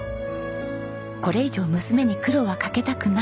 これ以上娘に苦労はかけたくない。